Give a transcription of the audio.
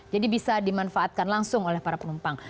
jadi bisa dimanfaatkan langsung oleh para penumpang